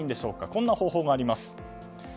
こんな方法もあります。